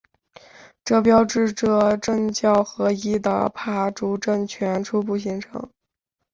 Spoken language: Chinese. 这标志着政教合一的帕竹政权初步形成。